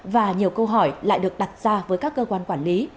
và nhiều câu hỏi lại được đặt ra với các cơ quan quản lý